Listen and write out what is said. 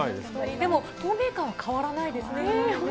でも、透明感は変わらないですね。